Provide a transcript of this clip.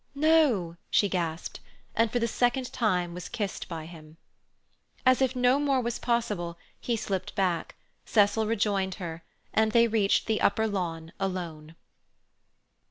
"No—" she gasped, and, for the second time, was kissed by him. As if no more was possible, he slipped back; Cecil rejoined her; they reached the upper lawn alone.